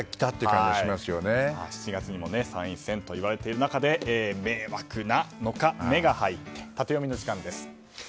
７月にも参院選と言われている中で迷惑の「メ」が入ってタテヨミの時間です。